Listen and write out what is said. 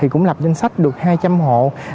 cũng lập danh sách được hai trăm linh hộ